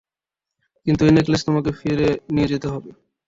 কিন্তু এ নেকলেস তোমাকে ফিরে নিয়ে যেতে হবে।